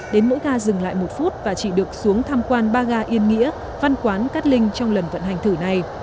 đến mỗi ga dừng lại một phút và chỉ được xuống tham quan ba ga yên nghĩa văn quán cát linh trong lần vận hành thử này